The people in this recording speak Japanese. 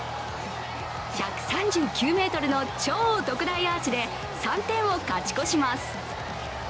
１３９ｍの超特大アーチで３点を勝ち越します。